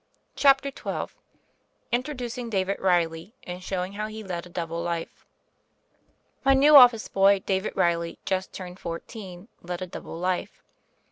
CHAPTER XII INTRODUCING DAVID REILLY, AND SHOWING HOW HE LED A DOUBLE LIFE MY NEW office boy, David Rcilly, just turned fourteen, led a double life.